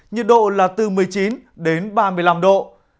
nhiệt độ là từ một mươi chín đến ba mươi năm độ